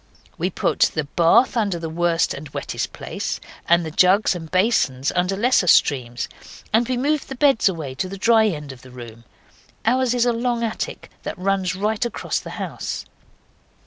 We put the bath under the worst and wettest place, and the jugs and basins under lesser streams, and we moved the beds away to the dry end of the room. Ours is a long attic that runs right across the house.